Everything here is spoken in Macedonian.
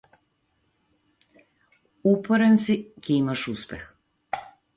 Упорен си ќе имаш успех.